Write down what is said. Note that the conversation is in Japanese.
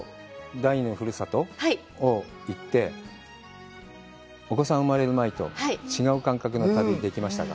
第２のふるさとを行って、お子さんが生まれる前と、違う感覚の旅ができましたか。